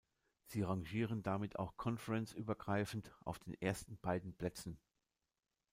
Sie rangieren damit auch Conference-übergreifend auf den ersten beiden Plätzen.